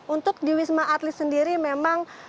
untuk di wisma atlet sendiri memang